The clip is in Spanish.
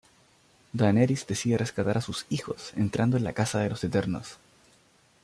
Daenerys decide rescatar a sus "hijos" entrando en la Casa de los Eternos.